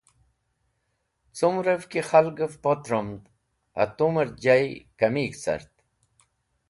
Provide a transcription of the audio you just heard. Cumrẽv ki khalgẽv potromed hatumẽr jay kẽmig̃h cart.